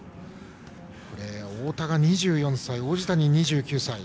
太田が２４歳王子谷、２９歳。